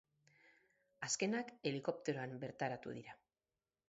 Azkenak helikopteroan bertaratu dira.